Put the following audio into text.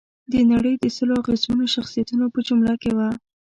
د نړۍ د سلو اغېزمنو شخصیتونو په جمله کې وه.